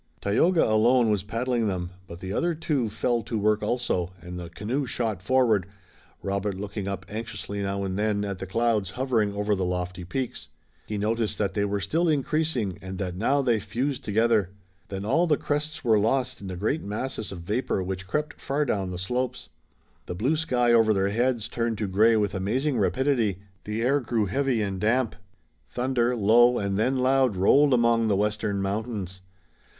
Tayoga alone was paddling them, but the other two fell to work also, and the canoe shot forward, Robert looking up anxiously now and then at the clouds hovering over the lofty peaks. He noticed that they were still increasing and that now they fused together. Then all the crests were lost in the great masses of vapor which crept far down the slopes. The blue sky over their heads turned to gray with amazing rapidity. The air grew heavy and damp. Thunder, low and then loud, rolled among the western mountains.